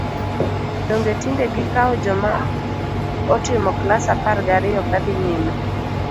Donge tinde gikawo joma otimo klas apar gariyo ka dhi nyime!